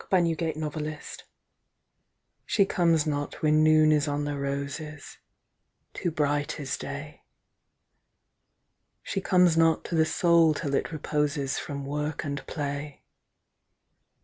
Y Z She Comes Not She comes not when Noon is on the roses Too bright is Day. She comes not to the Soul till it reposes From work and play.